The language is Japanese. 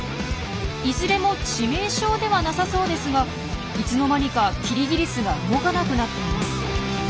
いずれも致命傷ではなさそうですがいつの間にかキリギリスが動かなくなっています。